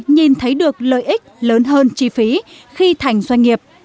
nhìn thấy được lợi ích lớn hơn chi phí khi thành doanh nghiệp